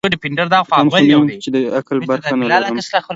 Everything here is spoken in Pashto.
پتڼ خو نه یم چي د عقل برخه نه لرمه